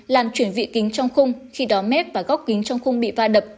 làm chuyển vị kính trong khung khi đó mép và góc kính trong khung bị va đập